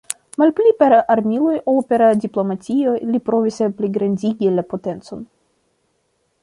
Malpli per armiloj ol per diplomatio li provis pligrandigi la potencon.